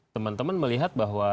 teman teman melihat bahwa